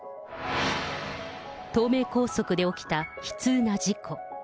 東名高速で起きた悲痛な事故。